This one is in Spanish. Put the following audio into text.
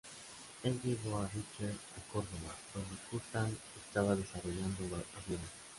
Él llevó a Richter a Córdoba, donde Kurt Tank estaba desarrollando aviones.